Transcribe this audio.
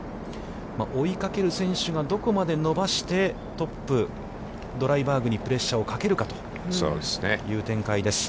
追いかける選手がどこまで伸ばして、トップ、ドライバーグにプレッシャーをかけるかという展開です。